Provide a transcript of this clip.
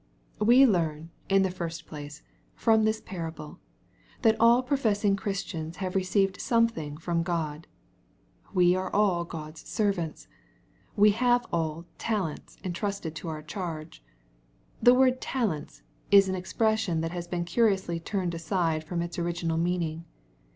We learn, in the first place, from this parable, that aU professing Ohristiana have received something from God. We are all God's "servants." We have aU "talents" entrusted to our charge. The word " talents" is an expression that has been curiously turned aside from its original meaning.